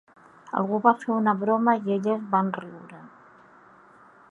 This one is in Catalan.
Algú va fer un broma i elles van riure.